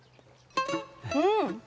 うん！